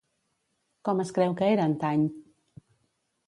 Com es creu que era antany?